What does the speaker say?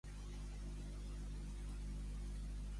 Qui van ser Lleonci i Carpòfor?